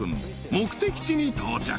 目的地に到着］